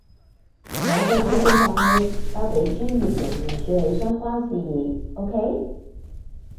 我嘅主見就係交畀專業人員處理相關事宜，OK？